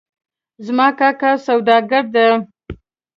زما کاکا سوداګر ده